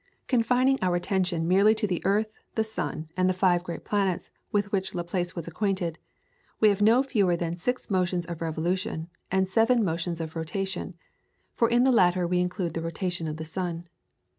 Confining our attention merely to the earth, the sun, and the five great planets with which Laplace was acquainted, we have no fewer than six motions of revolution and seven motions of rotation, for in the latter we include the rotation of the sun.